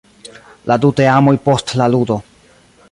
La du teamoj post la ludo.